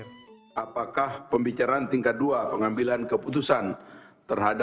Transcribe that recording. subah sudah mempraktikannya selama ribuhan tahun